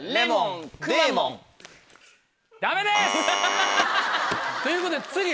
レモンダメです！ということで。